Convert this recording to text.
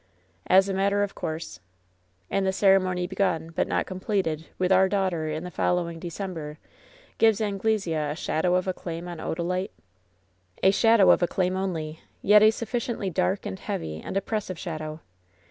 "As a matter of course/' "And the ceremony begun, but not completed, with our daughter in the following December gives Anglesea a shadow of a claim on Odalite ?" "A shadow of a claim only ; yet a sufficiently dark and heavy and oppressive shadow.